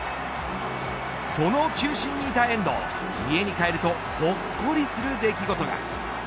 その中心にいた遠藤家に帰るとほっこりする出来事が。